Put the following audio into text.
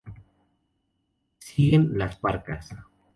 Siguen las Parcas.